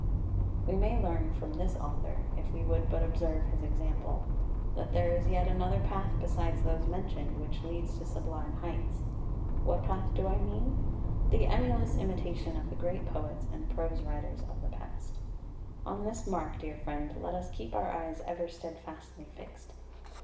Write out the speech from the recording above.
[Footnote 1: Rep. ix. 586, A.] 2 We may learn from this author, if we would but observe his example, that there is yet another path besides those mentioned which leads to sublime heights. What path do I mean? The emulous imitation of the great poets and prose writers of the past. On this mark, dear friend, let us keep our eyes ever steadfastly fixed.